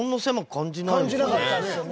感じなかったですよね。